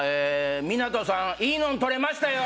港さんいいのん撮れましたよ！